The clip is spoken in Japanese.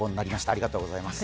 ありがとうございます。